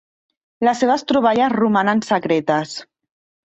Les seves troballes romanen secretes.